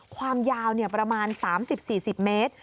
ความยาวประมาณ๓๐๔๐เมตร